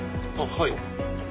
「はい」？